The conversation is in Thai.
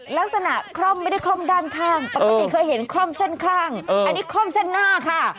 ลักษณะคล่อมไม่ได้คล่อมด้านข้างปกติเคยเห็นคล่อมเส้นข้างอันนี้คล่อมเส้นหน้าค่ะ